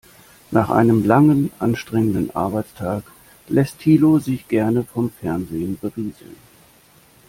Nach einem langen, anstrengenden Arbeitstag lässt Thilo sich gerne vom Fernsehen berieseln.